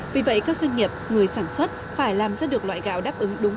vì vậy các doanh nghiệp người sản xuất phải làm ra được loại gạo đáp ứng đúng